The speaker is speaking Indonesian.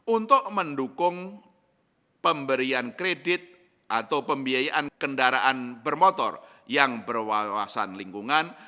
untuk mendukung pemberian kredit atau pembiayaan kendaraan bermotor yang berwawasan lingkungan